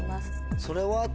それは？